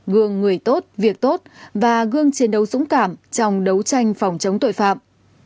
gương người tốt việc tốt và gương chiến đấu dũng cảm trong đấu tranh phòng chống tội phạm